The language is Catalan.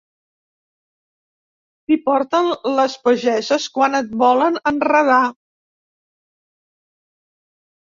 T'hi porten les pageses quan et volen enredar.